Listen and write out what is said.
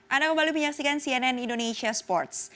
anda kembali menyaksikan cnn indonesia sports